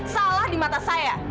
salah di mata saya